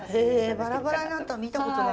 バラバラになったの見たことない。